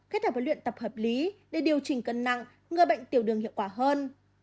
kết hợp với luyện tập hợp lý để điều chỉnh cân nặng ngừa bệnh tiểu đường hiệu quả hơn